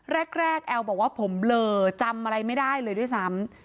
แรกแอลบอกว่าผมเบลอจำอะไรไม่ได้เลยด้วยซ้ำ